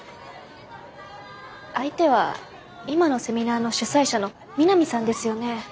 相手は今のセミナーの主催者の三並さんですよね？